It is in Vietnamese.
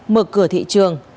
mở cửa thị trường